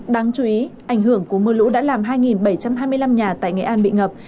đáng chú ý ảnh hưởng của mưa lũ đã làm hai bảy trăm hai mươi năm nhà tại nghệ an bị ngập